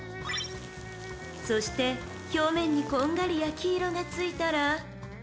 ［そして表面にこんがり焼き色がついたら］